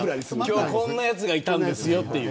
今日こんなやつがいたんですよって。